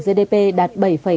gdp đạt bảy tám